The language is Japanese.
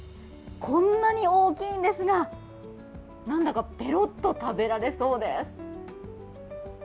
こんなに大きいんですがなんだかペロッと食べられそうです。